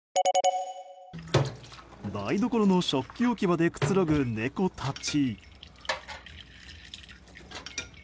台所の食器置き場でくつろぐ猫たち。